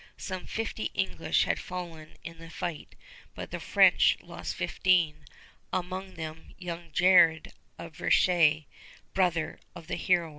Some fifty English had fallen in the fight, but the French lost fifteen, among them young Jared of Verchéres, brother of the heroine.